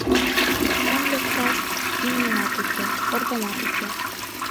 Кычкен лекташ имнемат уке, орвамат уке!..